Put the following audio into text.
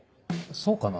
そうかな？